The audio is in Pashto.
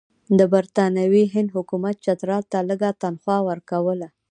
د برټانوي هند حکومت چترال ته لږه تنخوا ورکوله.